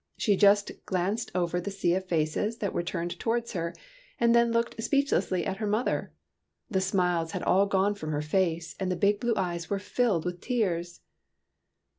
She just glanced over the sea of faces that were turned towards her, and then looked speechlessly at her mother. The smiles had all gone from her face, and the big blue eyes were filled with tears.